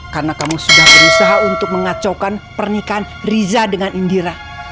karena kamu sudah berusaha untuk mengacaukan pernikahan riza dengan indira